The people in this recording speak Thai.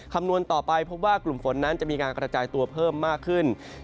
คำนวณต่อไปพบว่ากลุ่มฝนนั้นจะมีการกระจายตัวเพิ่มมากขึ้น